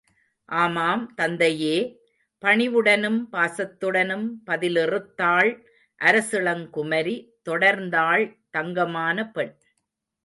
ஆமாம் தந்தையே! பணிவுடனும் பாசத்துடனும் பதிலிறுத்தாள் அரசிளங்குமரி தொடர்ந்தாள் தங்கமான பெண்.